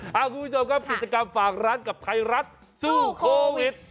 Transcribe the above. คุณผู้ชมครับกิจกรรมฝากร้านกับไทยรัฐสู้โควิด